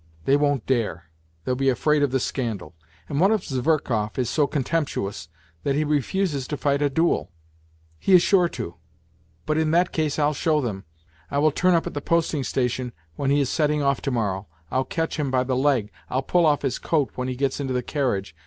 They won't dare ! They'll be afraid of the scandal. And what if Zverkov is so contemptuous that he refuses to fight a duel ? He is sure to ; but in that case I'll show them ... I will turn up at the posting station when he is setting off to morrow, I'll catch him by the leg, I'll pull off his coat when he gets into the carriage.